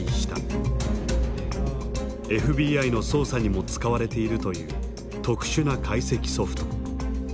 ＦＢＩの捜査にも使われているという特殊な解析ソフト。